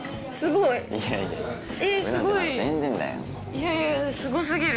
いやいやすごすぎる。